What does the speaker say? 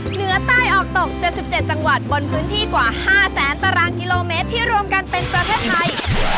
เหนือใต้ออกตก๗๗จังหวัดบนพื้นที่กว่า๕แสนตารางกิโลเมตรที่รวมกันเป็นประเทศไทย